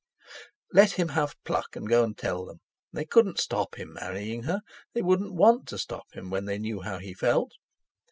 Let him have pluck, and go and tell them! They couldn't stop him marrying her—they wouldn't want to stop him when they knew how he felt.